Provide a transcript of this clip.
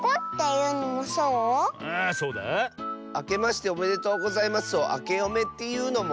「あけましておめでとうございます」を「あけおめ」っていうのも？